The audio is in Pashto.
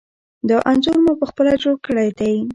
دا انځور ما پخپله جوړ کړی دی.